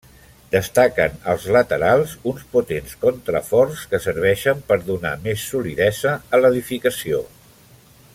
Destaquen als laterals, uns potents contraforts que serveixen per donar més solidesa a l'edificació.